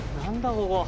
ここ。